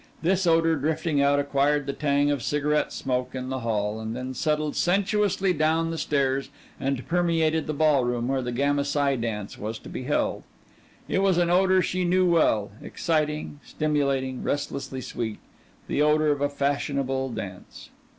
This odor drifting out acquired the tang of cigarette smoke in the hall, and then settled sensuously down the stairs and permeated the ballroom where the Gamma Psi dance was to be held. It was an odor she knew well, exciting, stimulating, restlessly sweet the odor of a fashionable dance.